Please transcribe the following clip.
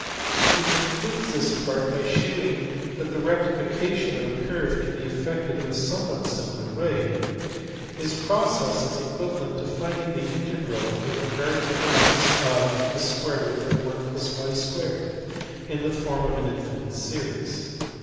He concludes this part by shewing that the rectification of a curve can be effected in a somewhat similar way. His process is equivalent to finding the integral with regard to x of (l+y 2 )* in the form of an infinite series.